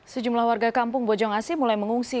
sejumlah warga kampung bojong asih mulai mengungsi